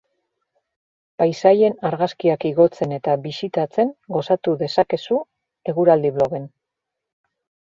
Paisaien argazkiak igotzen eta bisitatzen gozatu dezakezu eguraldiblogen.